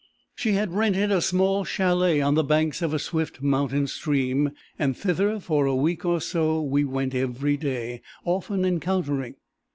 "She had rented a small chalet on the banks of a swift mountain stream, and thither, for a week or so, we went every day, often encountering.